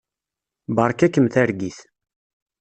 Beṛka-kem targit.